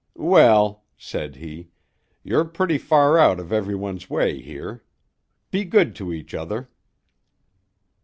"Well," said he, "you're pretty far out of every one's way here. Be good to each other."